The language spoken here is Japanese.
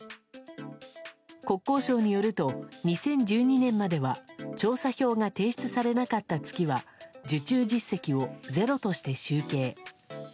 国交省によると２０１２年までは調査票が提出されなかった月は受注実績を０として集計。